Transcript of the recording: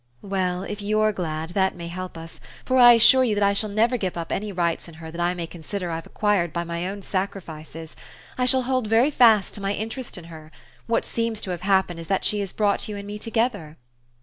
"Well, if you're glad, that may help us; for I assure you that I shall never give up any rights in her that I may consider I've acquired by my own sacrifices. I shall hold very fast to my interest in her. What seems to have happened is that she has brought you and me together."